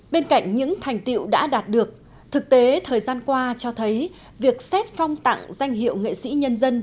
bên cạnh những thành tiệu đã đạt được thực tế thời gian qua cho thấy việc xét phong tặng danh hiệu nghệ sĩ nhân dân